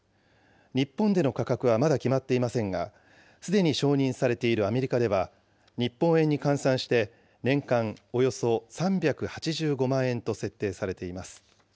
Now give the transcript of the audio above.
日本での価格はまだ決まっていませんが、すでに承認されているアメリカでは、日本円に換算して年間およそ３８５万円と設定されています。